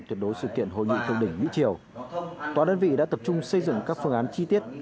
tuyệt đối sự kiện hội nghị thượng đỉnh mỹ triều tòa đơn vị đã tập trung xây dựng các phương án chi tiết